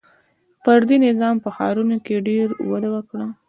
• فردي نظام په ښارونو کې ډېر وده وکړه.